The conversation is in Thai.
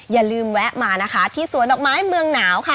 อย่าลืมแวะมานะคะที่สวนดอกไม้เมืองหนาวค่ะ